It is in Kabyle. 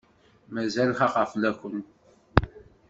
Mazal xaqeɣ fell-aken.